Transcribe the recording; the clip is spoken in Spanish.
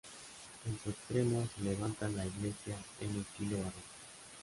En su extremo se levanta la iglesia en estilo barroco.